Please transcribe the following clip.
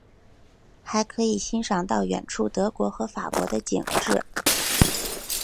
还可以欣赏到远处德国和法国的景致。